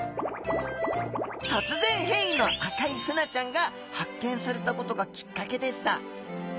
突然変異の赤いフナちゃんが発見されたことがきっかけでした。